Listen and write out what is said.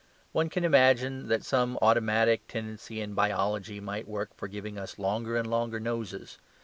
One can imagine that some automatic tendency in biology might work for giving us longer and longer noses.